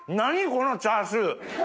このチャーシュー！